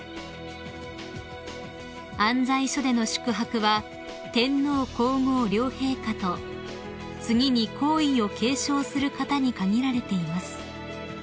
［行在所での宿泊は天皇皇后両陛下と次に皇位を継承する方に限られています］